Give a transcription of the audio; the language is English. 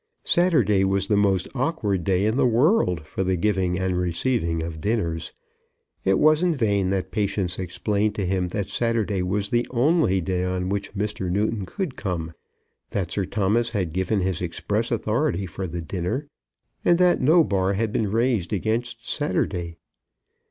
Saturday was the most awkward day in the world for the giving and receiving of dinners. It was in vain that Patience explained to him that Saturday was the only day on which Mr. Newton could come, that Sir Thomas had given his express authority for the dinner, and that no bar had been raised against Saturday.